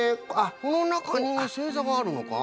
このなかにせいざがあるのか？